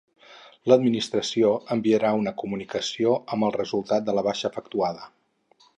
L'Administració enviarà una comunicació amb el resultat de la baixa efectuada.